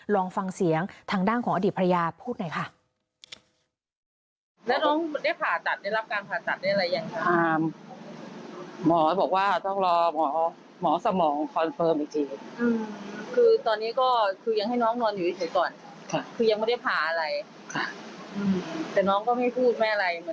ลองฟังเสียงทางด้านของอดีตภรรยาพูดหน่อยค่ะ